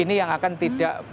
ini yang akan tidak